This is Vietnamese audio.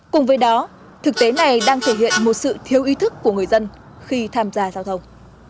cùng với đó thực tế này đang thể hiện một sự thiếu ý thức của người dân khi tham gia giao thông